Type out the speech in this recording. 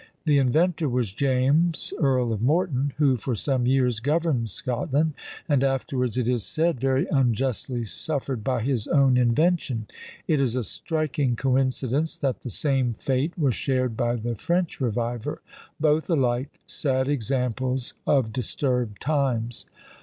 The inventor was James, Earl of Morton, who for some years governed Scotland, and afterwards, it is said, very unjustly suffered by his own invention. It is a striking coincidence, that the same fate was shared by the French reviver; both alike sad examples of disturbed times!